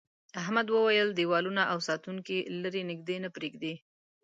احمد وویل دیوالونه او ساتونکي لري نږدې نه پرېږدي.